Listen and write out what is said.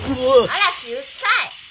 嵐うっさい！